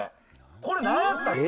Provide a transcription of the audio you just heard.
これなんやったっけ。